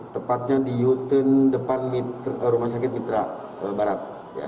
tepatnya di uten depan rumah sakit mitra barat